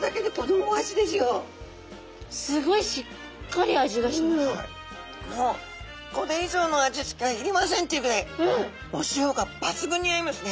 もうこれ以上の味付けはいりませんっていうぐらいお塩がばつぐんに合いますね。